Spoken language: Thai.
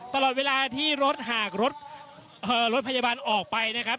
ตลอดเวลาที่รถหากรถพยาบาลออกไปนะครับ